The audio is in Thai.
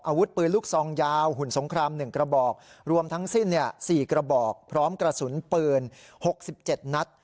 อาวุธปืนลูกซองยาวหุ่นสงคราม๑กระบอกรวมทั้งสิ้น๔กระบอกพร้อมกระสุนปืน๖๗นัด